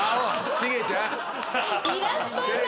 シゲちゃん。